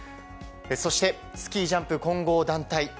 そしてスキージャンプ混合団体。